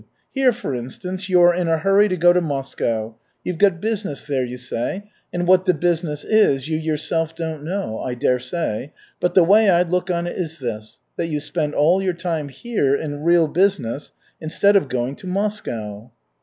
Here, for instance, you are in a hurry to go to Moscow, you've got business there, you say; and what the business is, you yourself don't know, I dare say. But the way I look on it is this, that you spend all your time here in real business instead of going to Moscow."